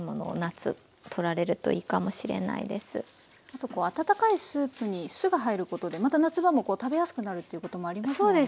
あと温かいスープに酢が入ることでまた夏場も食べやすくなるっていうこともありますもんね。